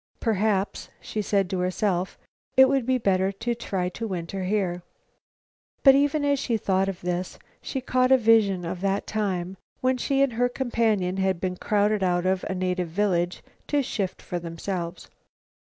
"Perhaps," she said to herself, "it would be better to try to winter here." But even as she thought this, she caught a vision of that time when she and her companion had been crowded out of a native village to shift for themselves.